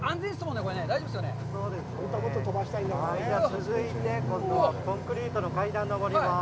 続いてはコンクリートの階段を上ります。